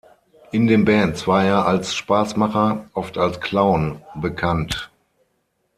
In den Bands war er als Spaßmacher, oft als Clown, bekannt.